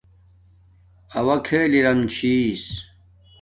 اَوݳ کھݵل اِرِم چھݵس.